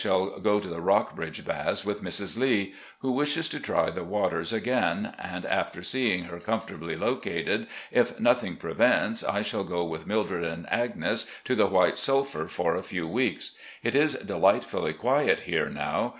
shall go to the Rock bridge Baths with Mrs. Lee, who wishes to try the waters again, and after seeing her comfortably located, if noth ing prevents, I shall go with Mildred and Agnes to the White Sulphur for a few weeks. ... It is delight fully quiet here now.